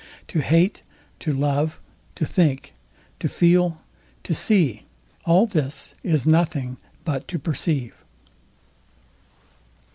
To hate, to love, to think, to feel, to see; all this is nothing but to perceive.